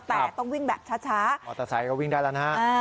แต่ต้องวิ่งแบบช้ามอเตอร์ไซค์ก็วิ่งได้แล้วนะฮะ